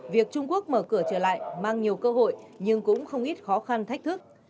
việc trung quốc mở cửa trở lại mang nhiều cơ hội nhưng cũng không ít khó khăn thách thức